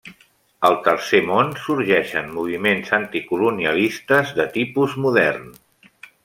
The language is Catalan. Al Tercer Món sorgeixen moviments anticolonialistes de tipus modern.